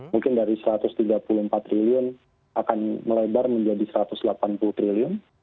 mungkin dari rp satu ratus tiga puluh empat triliun akan melebar menjadi satu ratus delapan puluh triliun